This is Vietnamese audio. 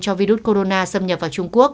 cho virus corona xâm nhập vào trung quốc